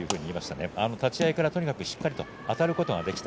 立ち合いからとにかくしっかりあたることができた。